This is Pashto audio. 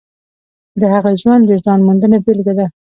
د هغه ژوند د ځان موندنې بېلګه ده.